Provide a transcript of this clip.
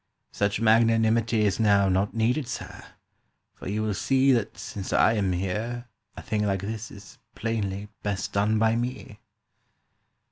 "Such magnanimity Is now not needed, sir; for you will see That since I am here, a thing like this is, plainly, Best done by me."